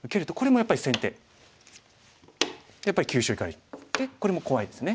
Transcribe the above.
やっぱり急所いかれてこれも怖いですね。